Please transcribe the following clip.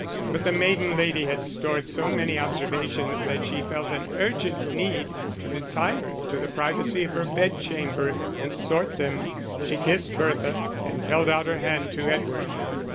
But the maiden lady had stored so many observations that she felt an urgent need to retire to the privacy of her bed chamber, and sort them. She kissed Bertha and held out her hand to Edward.